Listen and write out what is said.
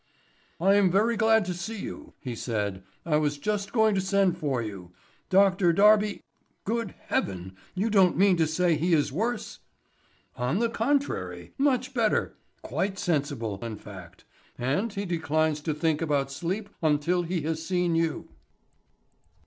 "I am very glad to see you," he said. "I was just going to send for you. Dr. Darby " "Good heaven, you don't mean to say he is worse!" "On the contrary, much better; quite sensible, in fact; and he declines to think about sleep until he has seen you."